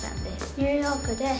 ニューヨークです。